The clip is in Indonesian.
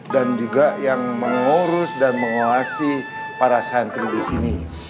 dan juga yang mengurus dan menguasai para santri disini